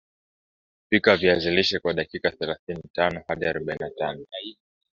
pika viazi lishe kwa dakika thelatini na tano hadi arobaini na tano